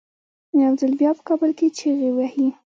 یو ځل بیا په کابل کې چیغې وهي.